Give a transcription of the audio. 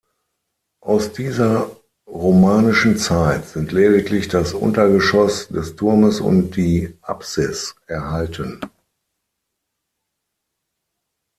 Aus dieser romanischen Zeit sind lediglich das Untergeschoss des Turmes und die Apsis erhalten.